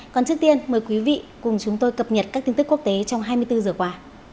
còn trước tiên mời quý vị cùng chúng tôi cập nhật các tin tức quốc tế trong hai mươi bốn giờ qua